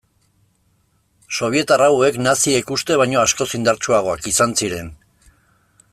Sobietar hauek naziek uste baino askoz indartsuagoak izan ziren.